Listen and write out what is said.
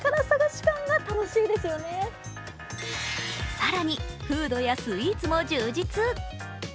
更に、フードやスイーツも充実。